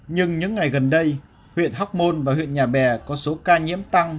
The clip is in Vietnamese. nhưng những ngày gần đây huyện hóc môn và huyện nhà bè có số ca nhiễm tăng